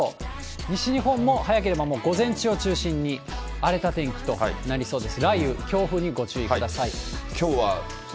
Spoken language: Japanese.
西日本も早ければ午前中を中心に、荒れた天気となりそうです。